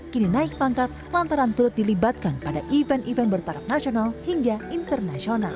kini naik pangkat lantaran turut dilibatkan pada event event bertaraf nasional hingga internasional